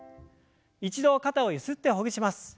一度肩をゆすってほぐします。